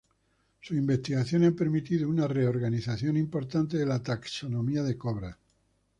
Sus investigaciones han permitido una reorganización importante de la taxonomía de cobras.